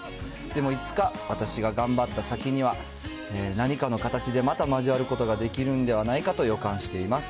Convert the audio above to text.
でも、いつか、私が頑張った先には、何かの形でまた交わることができるんではないかと予感しています。